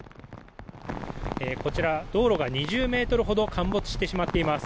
こちら、道路が２０ｍほど陥没してしまっています。